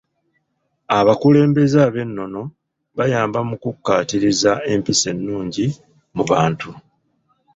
Abakulembeze ab'ennono bayamba mu kukkaatiriza empisa ennungi mu bantu.